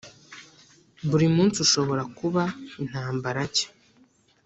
buri munsi ushobora kuba intambara nshya.